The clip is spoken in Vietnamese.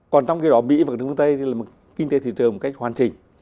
còn trong cái đó mỹ và trung quốc tây thì là một kinh tế phi thị trường một cách hoàn chỉnh